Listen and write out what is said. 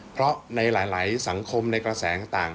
เพราะในหลายสังคมในกระแสต่าง